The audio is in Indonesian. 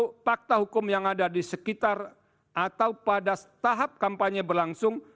itu fakta hukum yang ada di sekitar atau pada tahap kampanye berlangsung